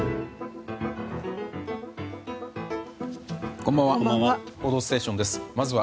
こんばんは。